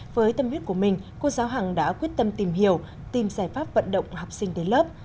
với tâm huyết của mình cô giáo hằng đã quyết tâm tìm hiểu tìm giải pháp vận động học sinh đến lớp